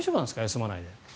休まないで。